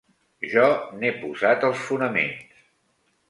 Jo n'he posat els fonaments